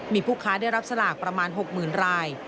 มีผู้ค้าได้รับสลากประมาณ๖๐๐๐ราย